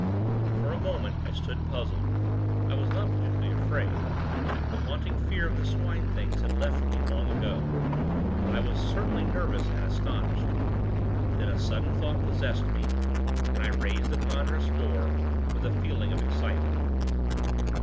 For a moment, I stood puzzled. I was not particularly afraid. The haunting fear of the Swine things had left me, long ago; but I was certainly nervous and astonished. Then, a sudden thought possessed me, and I raised the ponderous door, with a feeling of excitement.